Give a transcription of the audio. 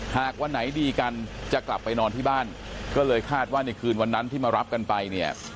หากวันไหนดีกันจะกลับไปนอนที่บ้านก็เลยคาดว่าในคืนวันนั้นที่มารับกันไปเนี่ย